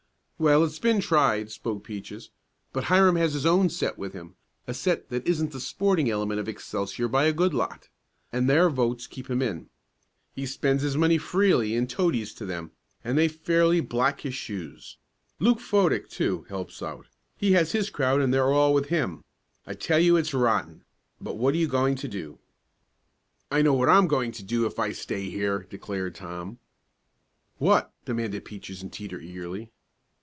"Well, it's been tried," spoke Peaches, "but Hiram has his own set with him a set that isn't the sporting element of Excelsior by a good lot, and their votes keep him in. He spends his money freely and toadies to them, and they fairly black his shoes. Luke Fodick, too, helps out. He has his crowd and they're all with him. I tell you it's rotten, but what are you going to do?" "I know what I'm going to do if I stay here!" declared Tom. "What?" demanded Peaches and Teeter eagerly.